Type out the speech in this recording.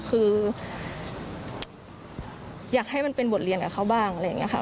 คืออยากให้มันเป็นบทเรียนกับเขาบ้างอะไรอย่างนี้ค่ะ